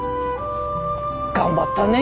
頑張ったね。